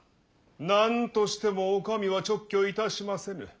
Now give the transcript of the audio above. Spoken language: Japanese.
何としてもお上は勅許いたしませぬ。